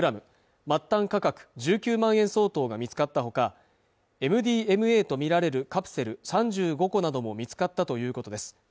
末端価格１９万円相当が見つかったほかＭＤＭＡと見られるカプセル３５個なども見つかったということです